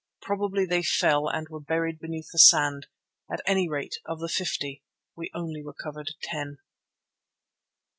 Probably they fell and were buried beneath the sand; at any rate of the fifty we only recovered ten.